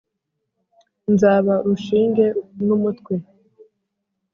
nzaba urushinge numutwe